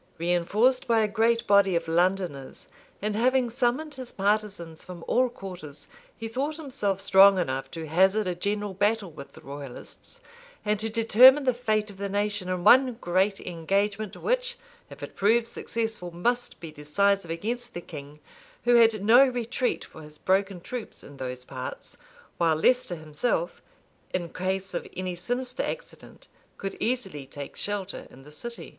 Reënforced [unusual spelling but that is what it looks like] by a great body of Londoners, and having summoned his partisans from all quarters, he thought himself strong enough to hazard a general battle with the royalists, and to determine the fate of the nation in one great engagement, which, if it proved successful, must be decisive against the king, who had no retreat for his broken troops in those parts, while Leicester himself, in case of any sinister accident, could easily take shelter in the city.